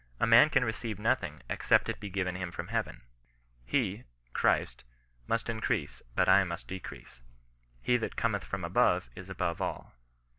A man can receive nothing, except it be given him from heaven." " He [Christ] must in crease, but I must decrease. He that cometh from above is above all."